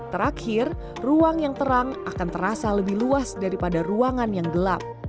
terakhir ruang yang terang akan terasa lebih luas daripada ruangan yang gelap